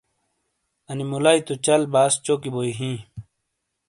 اَنی مُولائی تو چَل باس چوکی بوئی ہِیں۔